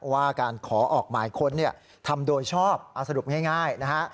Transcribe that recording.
ว่าการขอออกหมายค้นทำโดยชอบเอาสรุปง่ายนะฮะ